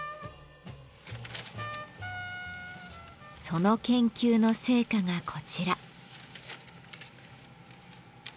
その研究の成果がこちら。